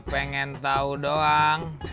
pengin tahu wood